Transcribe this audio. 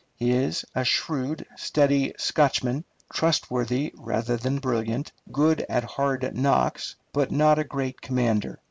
He is a shrewd, steady Scotchman, trustworthy rather than brilliant, good at hard knocks, but not a great commander.